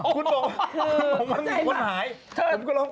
คุณบอกว่ามันมีคนหาย